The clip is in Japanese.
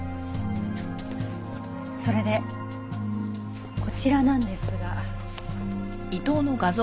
それでこちらなんですが。